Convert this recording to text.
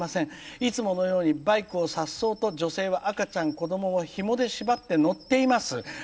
いつものようにバイクをさっそうと女性は赤ちゃん、子どもはひもで縛って乗っています。